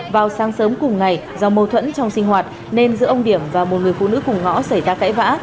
vào sáng sớm cùng ngày do mâu thuẫn trong sinh hoạt nên giữa ông điểm và một người phụ nữ cùng ngõ xảy ra cãi vã